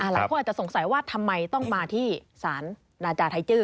หลายคนอาจจะสงสัยว่าทำไมต้องมาที่ศาลนาจาไทยจื้อ